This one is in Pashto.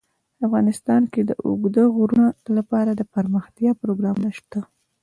افغانستان کې د اوږده غرونه لپاره دپرمختیا پروګرامونه شته.